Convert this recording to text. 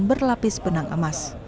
berlapis benang emas